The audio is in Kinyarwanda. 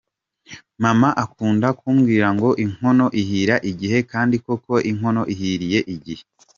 Mama akunda kumbwira ngo inkono ihira igihe kandi koko inkono ihiriye igihe”.